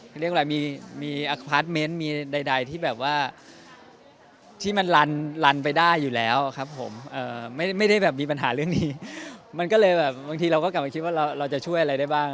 ก็ก็เลยแบบมันก็กลับแล้วเราจะช่วยอะไรได้บ้าง